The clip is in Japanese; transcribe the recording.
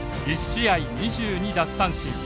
１試合２２奪三振。